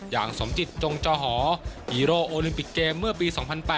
อย่างสมจิตจงจอหอฮีโร่โอลิมปิกเกมเมื่อปี๒๐๐๘